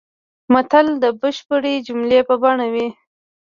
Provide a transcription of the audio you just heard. متل د بشپړې جملې په بڼه وي